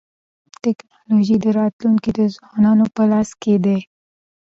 د ټکنالوژۍ راتلونکی د ځوانانو په لاس کي دی.